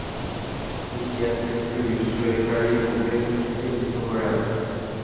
তিনি এক টেস্টের বিস্ময়কারীরূপে চিহ্নিত হয়ে আছেন।